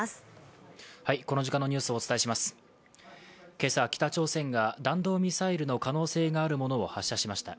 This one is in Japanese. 今朝、北朝鮮が弾道ミサイルの可能性があるものを発射しました。